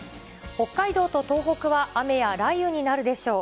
北海道と東北は雨や雷雨になるでしょう。